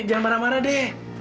jangan marah marah de